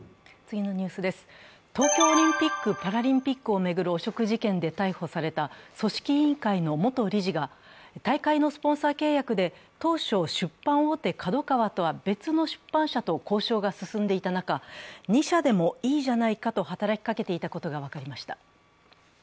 東京オリンピック・パラリンピックを巡る汚職事件で逮捕された組織委員会の元理事が、大会のスポンサー契約で当初、出版大手・ＫＡＤＯＫＡＷＡとは別の出版社と交渉が進んでいた中、２社でもいいじゃないかと働きかけていたことが分かりました。